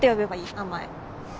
名前。